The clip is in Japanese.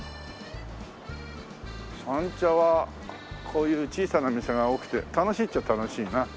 三茶はこういう小さな店が多くて楽しいっちゃ楽しいな。